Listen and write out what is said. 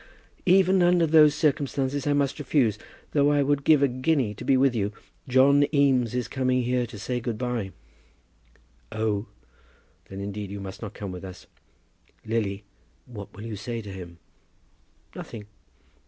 "Even under those circumstances I must refuse, though I would give a guinea to be with you. John Eames is coming here to say good by." "Oh; then indeed you must not come with us. Lily, what will you say to him?" "Nothing."